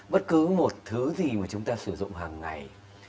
bất cứ một thứ gì mà chúng ta sử dụng hàng ngày